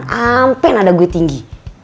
sampai nada gue tinggi